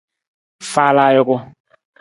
Faala ajuku.